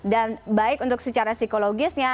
dan baik untuk secara psikologisnya